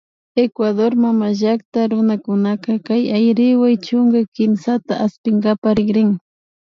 Ecuador mamallakta runakunaka kay Ayriwa chunka kimsata aspinkapak rikrin